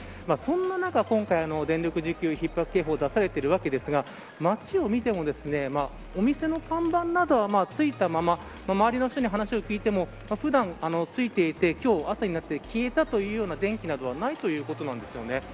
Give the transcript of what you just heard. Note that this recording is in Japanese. そんな中、今回電力需給ひっ迫警報が出されていますが街を見ても、お店の看板などはついたまま周りの人に話を聞いても普段ついていて、今日朝になって消えたというような電気などはないということです。